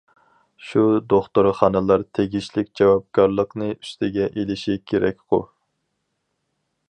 شۇ دوختۇرخانىلار تېگىشلىك جاۋابكارلىقنى ئۈستىگە ئېلىشى كېرەكقۇ؟ !